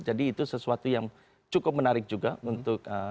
jadi itu sesuatu yang cukup menarik juga untuk